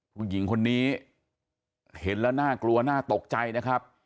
ผู้หญิงคนนี้เห็นแล้วน่ากลัวน่าตกใจนะครับ